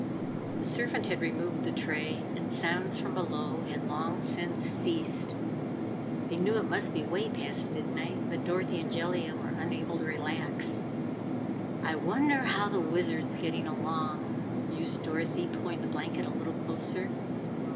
The servant had removed the tray, and sounds from below had long since ceased. They knew it must be way past midnight, but Dorothy and Jellia were unable to relax. "I wonder how the Wizard's getting along!" mused Dorothy, pulling the blanket a little closer.